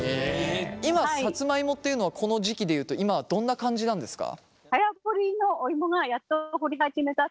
今さつまいもっていうのはこの時期で言うと今はどんな感じなんですか？